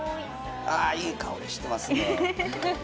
あっ、いい香りしてますね。